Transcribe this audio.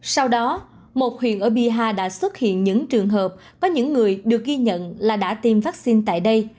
sau đó một huyện ở bihar đã xuất hiện những trường hợp có những người được ghi nhận là đã tiêm vaccine tại đây